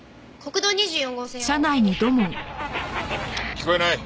聞こえない。